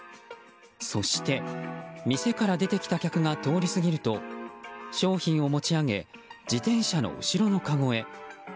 そして、店から出てきた客が通り過ぎると商品を持ち上げ自転車の後ろのかごへ。